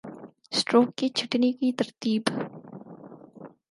stroke کی چھٹنی کی ترتیب